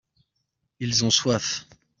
ils ont soif.